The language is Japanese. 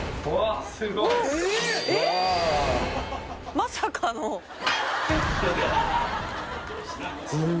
まさかの